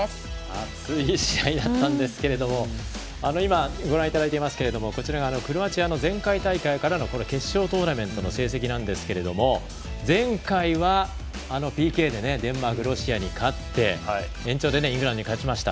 熱い試合だったんですけれども今ご覧いただいていますけれどもこちらがクロアチアの前回大会からの決勝トーナメントの成績なんですけれども前回はＰＫでデンマーク、ロシアに勝って延長でイングランドに勝ちました。